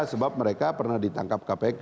sebab mereka pernah ditangkap kpk